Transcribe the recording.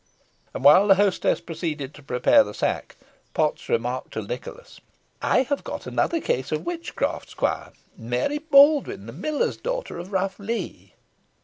And while the hostess proceeded to prepare the sack, Potts remarked to Nicholas, "I have got another case of witchcraft, squire. Mary Baldwyn, the miller's daughter, of Rough Lee."